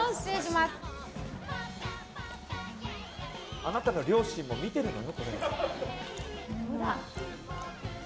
あなたの両親も見てるのよ。